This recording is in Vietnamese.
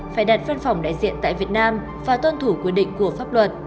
phải đặt văn phòng đại diện tại việt nam và tuân thủ quy định của pháp luật